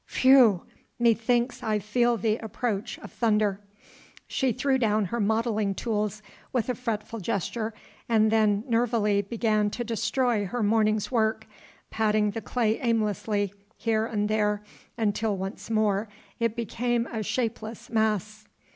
Phew!... methinks I feel the approach of thunder." She threw down her modelling tools with a fretful gesture and then nervily began to destroy her morning's work, patting the clay aimlessly here and there until once more it became a shapeless mass.